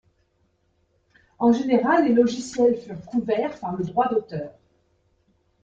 En général, les logiciels furent couverts par le droit d'auteur.